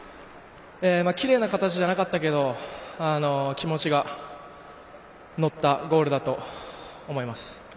きれいな形じゃなかったけど気持ちが乗ったゴールだと思います。